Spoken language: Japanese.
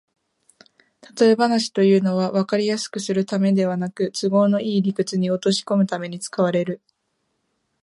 たとえ話というのは、わかりやすくするためではなく、都合のいい理屈に落としこむために使われる